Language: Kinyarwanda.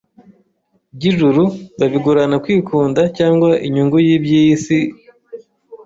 by’ijuru, babigurana kwikunda cyangwa inyungu y’iby’iyi si.